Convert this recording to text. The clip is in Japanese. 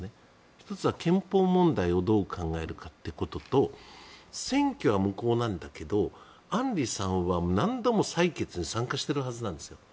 １つは憲法問題をどう考えるかっていうことと選挙は無効なんだけど案里さんは何度も採決に参加しているはずなんです。